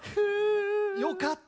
よかった！